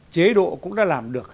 chế độ cũng đã làm được